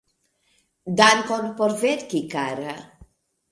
Dankon por verki, kara!